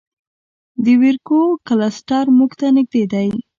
د ویرګو کلسټر موږ ته نږدې دی.